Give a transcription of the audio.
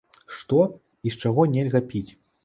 Што і з чаго нельга піць?